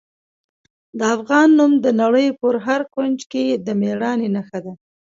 د افغان نوم د نړۍ په هر کونج کې د میړانې نښه ده.